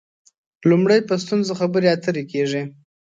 لومړی په ستونزو خبرې اترې کېږي.